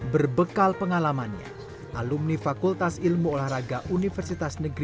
berbekal pengalamannya alumni fakultas ilmu olahraga universitas negeri